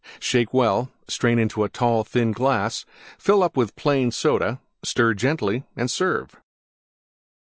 Shake well; strain into tall, thin glass; fill up with Plain Soda; stir gently and serve.